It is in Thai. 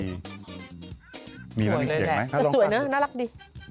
มีอะไรอย่างนั้นถ้าลองฟังสวยนะน่ารักดี